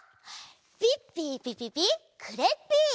ピッピーピピピクレッピー！